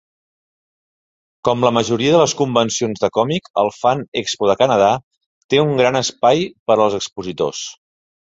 Como la majoria de les convencions de còmic, el Fan Expo de Canadà té un gran espai per els expositors.